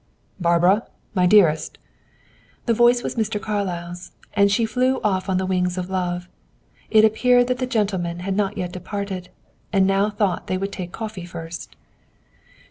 "Barbara, my dearest!" The voice was Mr. Carlyle's, and she flew off on the wings of love. It appeared that the gentlemen had not yet departed, and now thought they would take coffee first.